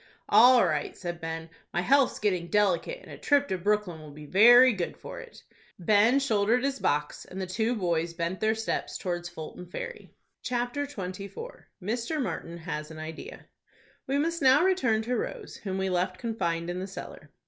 "All right," said Ben; "my health's getting delicate, and a trip to Brooklyn will be good for it." Ben shouldered his box, and the two boys bent their steps towards Fulton Ferry. CHAPTER XXIV. MR. MARTIN HAS AN IDEA. We must now return to Rose, whom we left confined in the cellar.